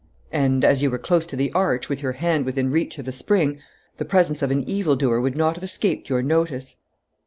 "And, as you were close to the arch, with your hand within reach of the spring, the presence of an evildoer would not have escaped your notice."